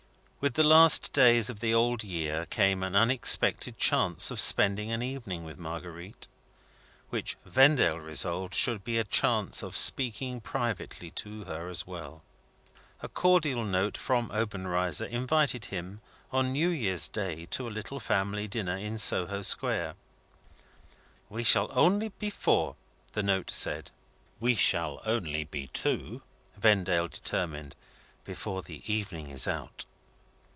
With the last days of the old year came an unexpected chance of spending an evening with Marguerite, which Vendale resolved should be a chance of speaking privately to her as well. A cordial note from Obenreizer invited him, on New Year's Day, to a little family dinner in Soho Square. "We shall be only four," the note said. "We shall be only two," Vendale determined, "before the evening is out!"